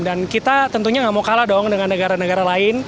dan kita tentunya gak mau kalah dong dengan negara negara lain